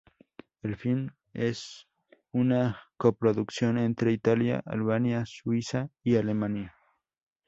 El film es una coproducción entre Italia, Albania, Suiza y Alemania.